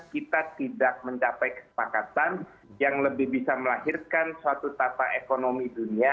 kita tidak mencapai kesepakatan yang lebih bisa melahirkan suatu tata ekonomi dunia